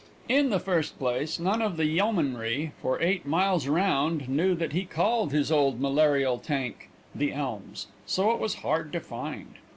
In the first place none of the yeomanry for eight miles around knew that he called his old malarial tank "The Elms," so it was hard to find.